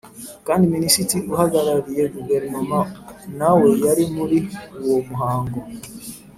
kandi Minisitiri uhagarariye Guverinoma nawe yari muri uwo muhango